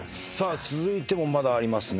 続いてもまだありますね。